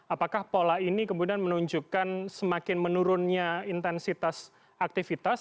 apakah pola ini kemudian menunjukkan semakin menurunnya intensitas aktivitas